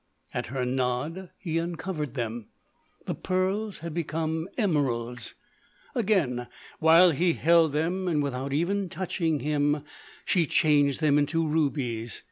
At her nod he uncovered them. The pearls had become emeralds. Again, while he held them, and without even touching him, she changed them into rubies.